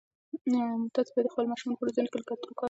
تاسي باید د خپلو ماشومانو په روزنه کې له کلتور کار واخلئ.